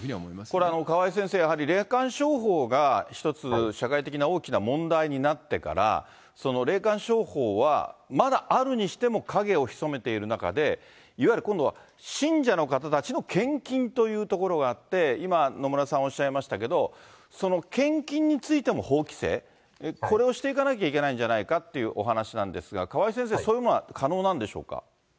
これ、川井先生、やはり霊感商法が、一つ社会的な大きな問題になってから、霊感商法はまだあるにしても影を潜めている中で、いわゆる今度は信者の方たちの献金というところがあって、今、野村さんおっしゃいましたけれども、その献金についても法規制、これをしていかなきゃいけないんじゃないかっていうお話なんですが、川井先生、そういうものは可能なんでしょうか。